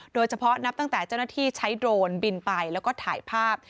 นับตั้งแต่เจ้าหน้าที่ใช้โดรนบินไปแล้วก็ถ่ายภาพ